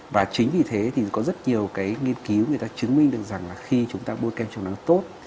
và chính vì thế thì có rất nhiều cái nghiên cứu người ta chứng minh được rằng là khi chúng ta bôi kem cho nó tốt